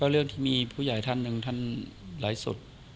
เรื่องที่มีผู้ใหญ่ท่านหนึ่งท่านไลฟ์สด